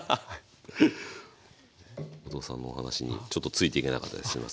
後藤さんのお話にちょっとついていけなかったですすみません。